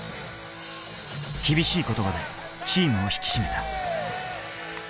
厳しい言葉でチームを引き締めた。